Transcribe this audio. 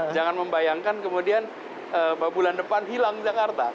jangan membayangkan kemudian bulan depan hilang jakarta